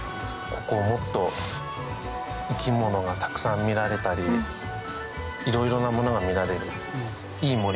ここをもっと生き物がたくさん見られたりいろいろなものが見られる。